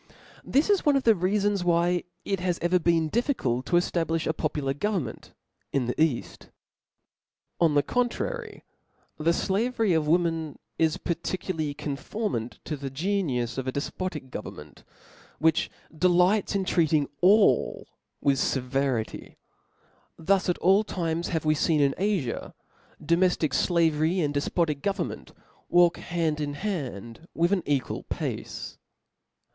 Thi^ i« one of the reafons why it has ever been difficult to cHablifh a popular govern ment in the caft. On the contrary, the flavery of women is per fcdly conformable to the geniuB of a defpodc go vernment, which delights in treating ail with fe verity. Thus at all times have we feen in Afi* •domeftic flavery, and Klefpotic government, walk hand in hand with an equal pace.